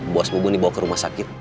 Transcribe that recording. bos mubu dibawa ke rumah sakit